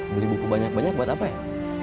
beli buku banyak banyak buat apa ya